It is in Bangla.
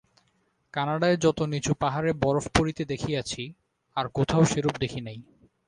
কানাডায় যত নীচু পাহাড়ে বরফ পড়িতে দেখিয়াছি, আর কোথাও সেরূপ দেখি নাই।